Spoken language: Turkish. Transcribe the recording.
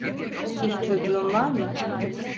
Hiç çocuğun var mı?